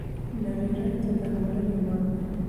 نري رنځ د درملنې وړ دی.